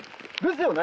ですよね！